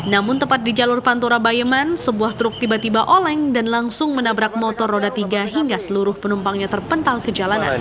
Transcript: namun tepat di jalur pantura bayaman sebuah truk tiba tiba oleng dan langsung menabrak motor roda tiga hingga seluruh penumpangnya terpental ke jalanan